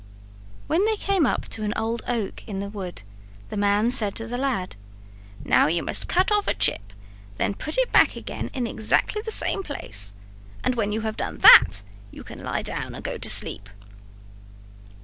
When they came up to an old oak in the wood the man said to the lad, "Now you must cut off a chip and then put it back again in exactly the same place, and when you have done that you can lie down and go to sleep."